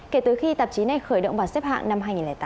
kể từ khi tạp chí này khởi động vào xếp hạng năm hai nghìn tám